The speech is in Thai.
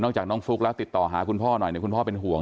จากน้องฟลุ๊กแล้วติดต่อหาคุณพ่อหน่อยคุณพ่อเป็นห่วง